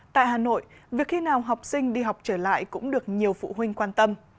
tại hà nội việc khi nào học sinh đi học trở lại cũng được nhiều phụ huynh quan tâm